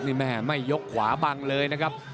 นี่แม่ไม่ยกขวาบังเลยนะครับ